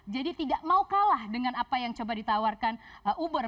jadi tidak mau kalah dengan apa yang coba ditawarkan uber